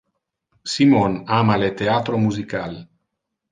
Simon ama le theatro musical.